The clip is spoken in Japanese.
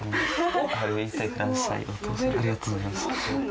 お父さんありがとうございます。